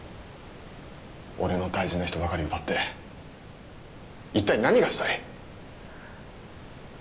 俺の大事な人ばかり奪って一体何がしたい？